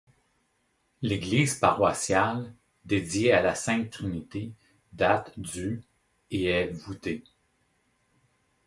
L'église paroissiale, dédiée à la Sainte Trinité, date du et est voûtée.